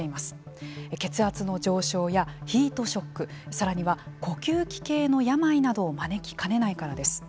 血圧の上昇やヒートショックさらには呼吸器系の病などを招きかねないからです。